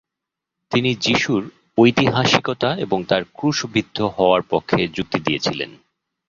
তিনি যিশুর ঐতিহাসিকতা এবং তার ক্রুশবিদ্ধ হওয়ার পক্ষে যুক্তি দিয়েছিলেন।